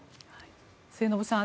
末延さん